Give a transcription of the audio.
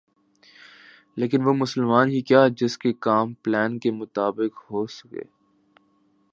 لیکن وہ مسلمان ہی کیا جس کے کام پلان کے مطابق ہوسک